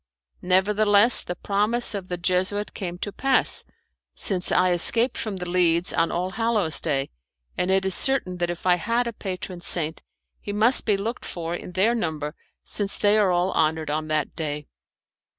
Nevertheless the promise of the Jesuit came to pass, since I escaped from The Leads on All Hallows Day; and it is certain that if I had a patron saint, he must be looked for in their number since they are all honoured on that day.